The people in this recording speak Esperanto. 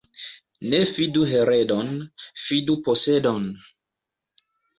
Ne fidu heredon, fidu posedon.